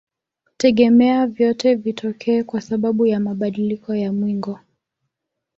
Tegemea vyote vitokee kwa sababu ya mabadiliko ya mwingo